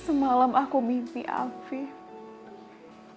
semalam aku mimpi afin